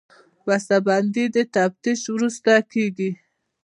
بسته بندي د تفتیش وروسته کېږي.